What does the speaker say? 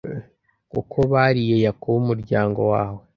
kuko bariye Yakobo umuryango wawe